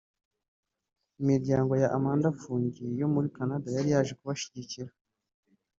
Imiryango ya Amanda Fung yo muri Canada yari yaje kubashyigikira